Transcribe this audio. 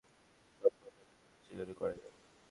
আমি আমার অবস্থান থেকে যতটা সম্ভব এলাকার মানুষের জন্য করে যাব।